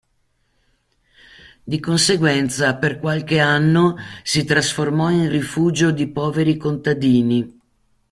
Di conseguenza, per qualche anno, si trasformò in rifugio di poveri contadini.